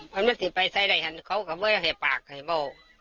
พ่อนักศิษย์ไปใส่ใดเขาก็ไม่ให้ปากให้บอก